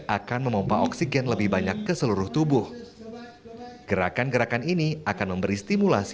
akan memompah oksigen lebih banyak ke seluruh tubuh gerakan gerakan ini akan memberi stimulasi